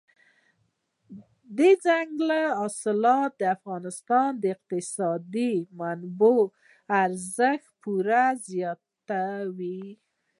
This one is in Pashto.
دځنګل حاصلات د افغانستان د اقتصادي منابعو ارزښت پوره زیاتوي.